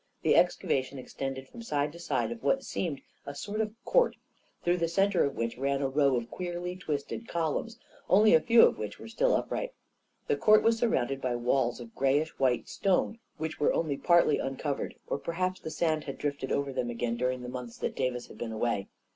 The excavation extended from side to side of what seemed a sort of court, through the centre of which ran a row of queerly twisted columns, only a few of which were still up right. The court was surrounded by walls of gray ish white stone, which were only partly uncovered — or perhaps the sand had drifted over them again dur ing the months that Davis had been away.